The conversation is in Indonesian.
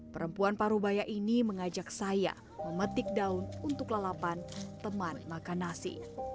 perempuan parubaya ini mengajak saya memetik daun untuk lalapan teman makan nasi